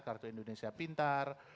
kartu indonesia pintar